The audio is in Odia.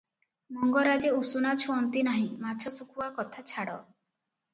ମଙ୍ଗରାଜେ ଉଷୁନା ଛୁଅନ୍ତି ନାହିଁ ମାଛ ଶୁଖୁଆ କଥାଛାଡ଼ ।